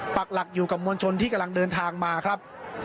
ปากหลักอยู่กับมวลชนที่กำลังเดินทางมาครับ